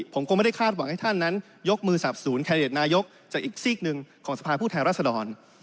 ผมก็ไม่ได้คาดหวังให้ท่านนั้นยกมือสับสนแคนดิเดตนายกจากอีกซีกหนึ่งของสภาผู้แทนรัศดร